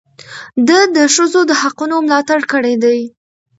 ده د ښځو د حقونو ملاتړ کړی دی.